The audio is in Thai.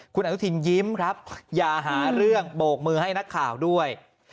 คุณอนุทินยิ้มครับอย่าหาเรื่องโบกมือให้นักข่าวด้วย